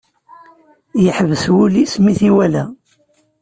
Yeḥbes wul-is mi i t-iwala.